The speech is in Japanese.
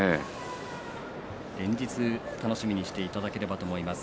連日、楽しみにしていただければと思います。